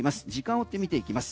時間を追って見ていきます。